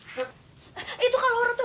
eh itu kak laura tuh